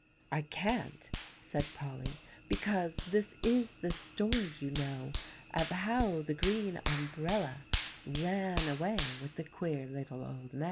"I can't," said Polly, "because this is the story, you know, of how the green umbrella ran away with the queer little old man."